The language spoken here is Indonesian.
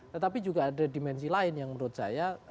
tetapi juga ada dimensi lain yang menurut saya